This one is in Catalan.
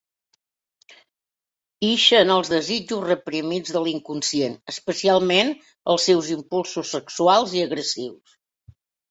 Ixen els desitjos reprimits de l'inconscient, especialment els seus impulsos sexuals i agressius.